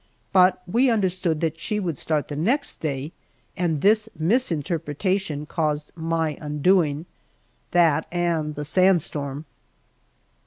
But we understood that she would start the next day, and this misinterpretation caused my undoing that and the sand storm.